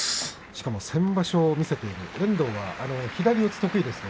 しかも先場所見せている遠藤、左四つ得意です。